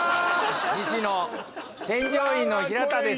西の添乗員の平田です